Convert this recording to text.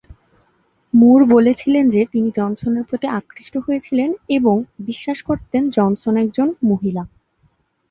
মুর বলেছিলেন যে তিনি জনসনের প্রতি আকৃষ্ট হয়েছিলেন, এবং বিশ্বাস করতেন জনসন একজন মহিলা।